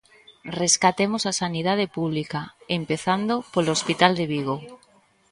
Rescatemos a sanidade pública, empezando polo hospital de Vigo.